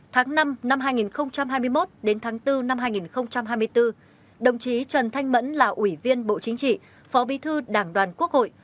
tháng năm năm hai nghìn hai mươi một đến tháng bốn năm hai nghìn hai mươi bốn đồng chí trần thanh mẫn là ủy viên bộ chính trị phó bí thư đảng đoàn quốc hội